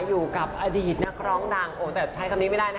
อยู่กับอดีตนักร้องดังโอ้แต่ใช้คำนี้ไม่ได้นะ